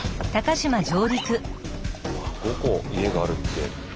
５戸家があるって。